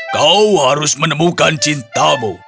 kau harus menemukan cintamu